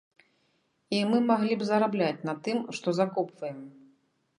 І мы маглі б зарабляць на тым, што закопваем.